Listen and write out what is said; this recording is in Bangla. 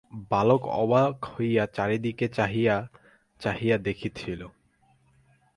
বালক অবাক হইয়া চারিদিকে চাহিয়া চাহিয়া দেখিতেছিল।